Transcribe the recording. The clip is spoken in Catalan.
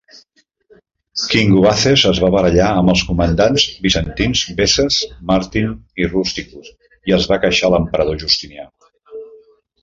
King Gubazes es va barallar amb els comandants bizantins Bessas, Martin i Rusticus, i es va queixar a l'emperador Justinià.